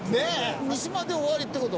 三島で終わりって事？